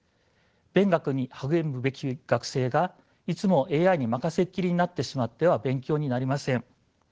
勉学に励むべき学生がいつもＡＩに任せっ切りになってしまっては勉強になりません。